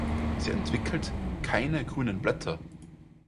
Sie entwickelt keine grünen Blätter.